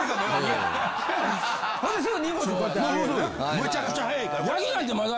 むちゃくちゃ速い。